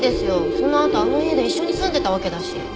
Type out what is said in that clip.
そのあとあの家で一緒に住んでたわけだし。